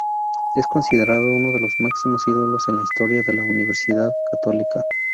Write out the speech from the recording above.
Es considerado uno de los máximos ídolos en la historia de Universidad Católica.